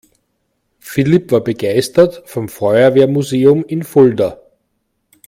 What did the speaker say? Philipp war begeistert vom Feuerwehrmuseum in Fulda.